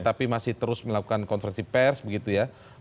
tapi masih terus melakukan konversi pers begitu ya